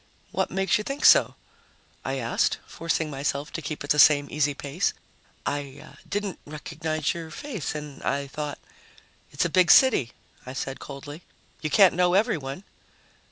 "What makes you think so?" I asked, forcing myself to keep at the same easy pace. "I didn't recognize your face and I thought " "It's a big city," I said coldly. "You can't know everyone."